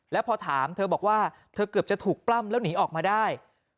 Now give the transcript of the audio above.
แล้วพอถามเธอบอกว่าเธอเกือบจะถูกปล้ำแล้วหนีออกมาได้